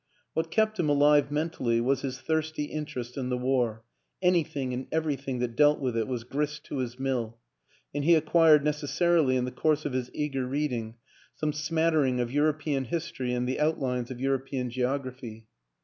What kept him alive mentally was his thirsty interest in the war; anything and every thing that dealt with it was grist to his mill, and he acquired necessarily in the course of his eagei reading some smattering of European history and the outlines of European geography.